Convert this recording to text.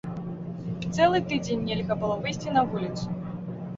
Цэлы тыдзень нельга было выйсці на вуліцу.